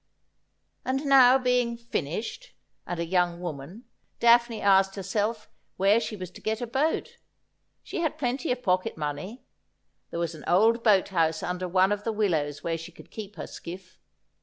And now being ' finished,' and a young woman. Daphne asked herself where she was to get a boat. She had plenty of pocket money. There was an old boat house under one of the willows where she could keep her skiff.